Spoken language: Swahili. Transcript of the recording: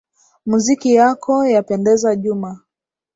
Muziki yako yapendeza Juma